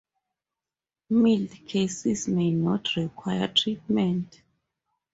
Mild cases may not require treatment.